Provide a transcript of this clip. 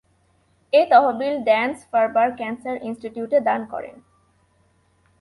এ তহবিল Dana Farber Cancer ইনস্টিটিউটে, দান করেন।